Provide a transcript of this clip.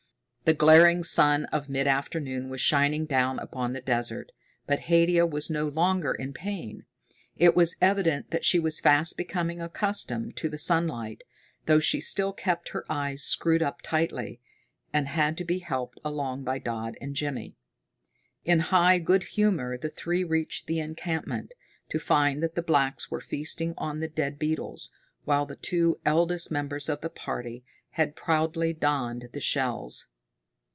The glaring sun of mid afternoon was shining down upon the desert, but Haidia was no longer in pain. It was evident that she was fast becoming accustomed to the sunlight, though she still kept her eyes screwed up tightly, and had to be helped along by Dodd and Jimmy. In high good humor the three reached the encampment, to find that the blacks were feasting on the dead beetles, while the two eldest members of the party had proudly donned the shells.